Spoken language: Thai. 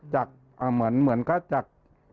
เหมือนก็จาก